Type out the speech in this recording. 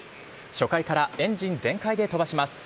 初回からエンジン全開で飛ばします。